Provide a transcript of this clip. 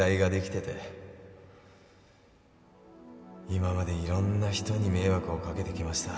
今までいろんな人に迷惑を掛けてきました